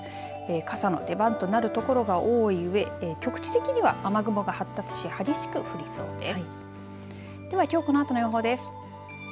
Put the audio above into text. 傘の出番となるところが多いうえ局地的には雨雲が発達し激しく降りそうです。